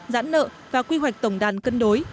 giãn nợ và quy hoạch tổng đàn cân đối